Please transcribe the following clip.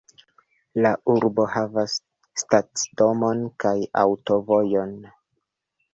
La urbo havas stacidomon kaj aŭtovojon.